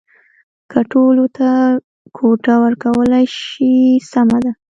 که ټولو ته کوټه ورکولای شي سمه ده.